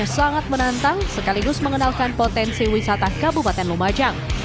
sekaligus mengenalkan potensi wisata kabupaten lumajang